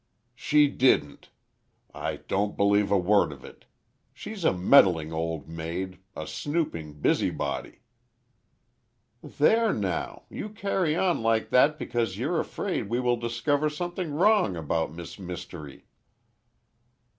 "She didn't! I don't believe a word of it! She's a meddling old maid—a snooping busybody!" "There, now, you carry on like that because you're afraid we will discover something wrong about Miss Mystery."